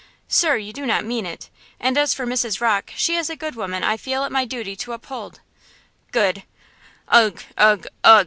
"Sir, you do not mean it! and as for Mrs. Rocke, she is a good woman I feel it my duty to uphold!" "Good! ugh!